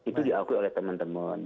itu diakui oleh teman teman